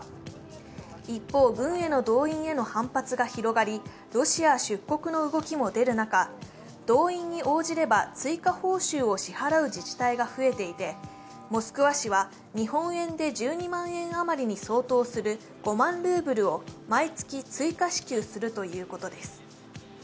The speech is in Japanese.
一方、軍への動員への反発が広がりロシア出国の動きも出る中動員に応じれば追加報酬を支払う自治体が増えていて、モスクワ市は日本円で１２万円あまりに相当する５万ルーブルを毎月、追加支給するということです。